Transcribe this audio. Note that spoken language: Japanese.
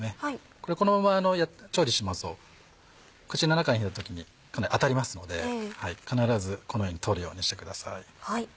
これこのまま調理しますと口の中に入れた時にかなり当たりますので必ずこのように取るようにしてください。